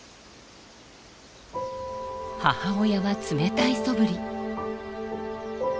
母親は冷たいそぶり。